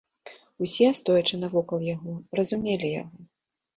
Усе, стоячы навокал яго, разумелі яго.